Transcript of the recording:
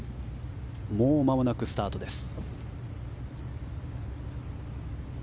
もう間もなくスタートです。